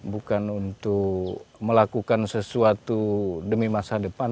bukan untuk melakukan sesuatu demi masa depan